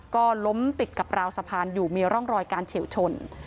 ก็ล้มติดกับราวสะพานอยู่มีร่องรอยการเฉียวชน